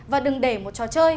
và đừng để một trò chơi